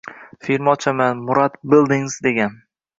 - Firma ochaman, "Murad bildingiz" degan...